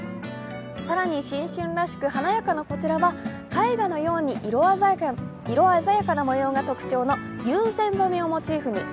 更に新春らしく華やかなこちらは絵画のように色鮮やかな模様が特徴の友禅染をモチーフに。